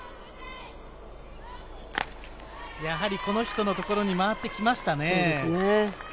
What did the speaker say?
やはりこの人の所に回ってきましたね。